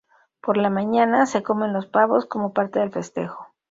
Por la mañana, se comen los pavos como parte del festejo.